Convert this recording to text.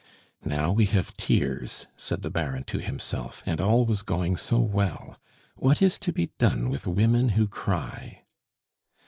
"Now we have tears," said the Baron to himself, "and all was going so well! What is to be done with women who cry?"